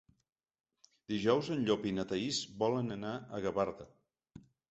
Dijous en Llop i na Thaís volen anar a Gavarda.